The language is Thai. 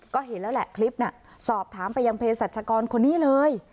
ก็เห็นแล้วแหละคลิปน่ะสอบถามไปยังเพศรัชกรคนนี้เลย